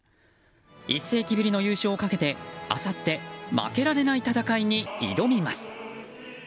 １世紀ぶりの優勝をかけてあさって負けられない戦いに挑みます。